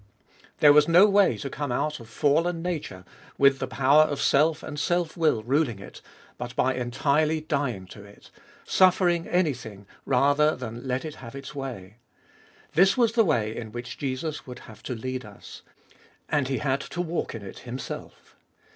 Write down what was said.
There was no way to come put of fallen nature, with the power of self and selfwill ruling it, but by entirely dying to it ; suffering anything rather than let it have its way. This was the way in which Jesus would have to lead us. And He had to walk in it Himself.